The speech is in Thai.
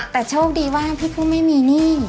แต่โชคดีว่าพี่ผู้ไม่มีหนี้